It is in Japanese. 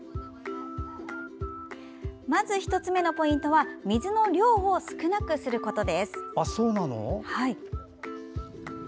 まず１つ目のポイントは水の量を少なくすること。